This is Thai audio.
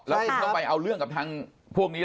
แล้วคุณต้องไปเอาเรื่องกับทางพวกนี้